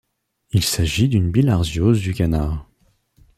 Il s'agit d'une bilharziose du canard.